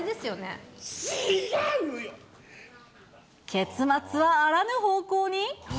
結末はあらぬ方向に？